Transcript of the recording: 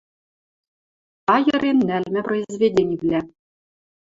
АЙЫРЕН НӒЛМӸ ПРОИЗВЕДЕНИВЛӒ